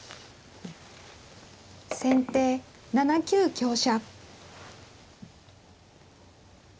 先手７九香車。